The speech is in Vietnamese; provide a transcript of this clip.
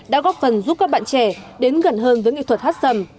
đã góp phần giúp các bạn trẻ đến gần hơn với nghệ thuật hát sầm